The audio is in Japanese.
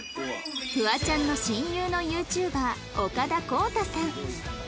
フワちゃんの親友の ＹｏｕＴｕｂｅｒ 岡田康太さん